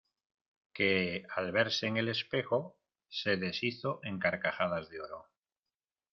que al verse en el espejo se deshizo en carcajadas de oro.